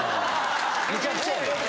めちゃくちゃや。